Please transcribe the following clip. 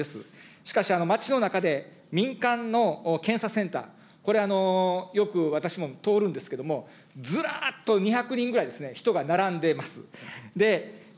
しかし街の中で民間の検査センター、これ、よく私も通るんですけど、ずらっと２００人ぐらい人が並んでいます。